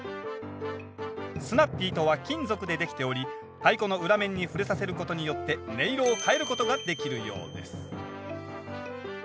スナッピーとは金属で出来ており太鼓の裏面に触れさせることによって音色を変えることができるようです